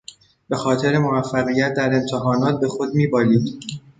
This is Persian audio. بخاطر موفقیت در امتحانات به خود میبالید.